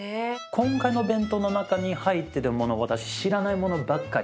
今回の弁当の中に入ってるもの私知らないものばっかり。